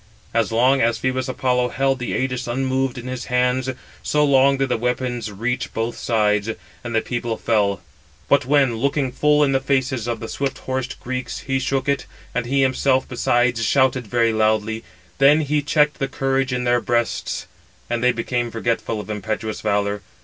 As long as Phœbus Apollo held the ægis unmoved in his hands, so long did the weapons reach both sides, and the people fell. But when, looking full in the faces of the swift horsed Greeks, he shook it, and he himself besides shouted very loudly, then he checked the courage in their breasts, and they became forgetful of impetuous valour.